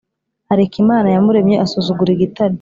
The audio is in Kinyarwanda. areka Imana yamuremye Asuzugura Igitare